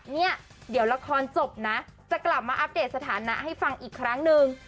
เนี่ยเดี๋ยวละครจบนะจะกลับมาอัปเดตสถานะให้ฟังอีกครั้งนึง